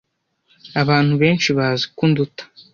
Abantu benshi baziko unduta